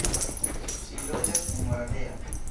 Ŝi loĝas en Oradea.